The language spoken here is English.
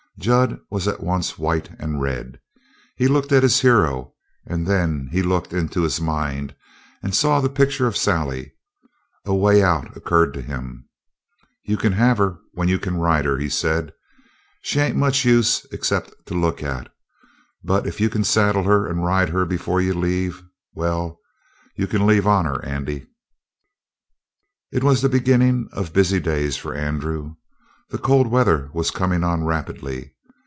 Jud was at once white and red. He looked at his hero, and then he looked into his mind and saw the picture of Sally. A way out occurred to him. "You can have her when you can ride her," he said. "She ain't much use except to look at. But if you can saddle her and ride her before you leave well, you can leave on her, Andy." It was the beginning of busy days for Andrew. The cold weather was coming on rapidly.